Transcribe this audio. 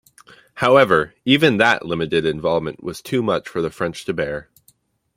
However, even that limited involvement was too much for the French to bear.